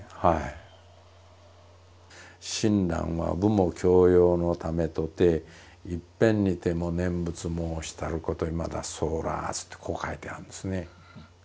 「親鸞は父母孝養のためとて一返にても念仏もうしたることいまだそうらわず」ってこう書いてあるんですね。